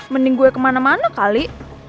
mending gue kemana mana kali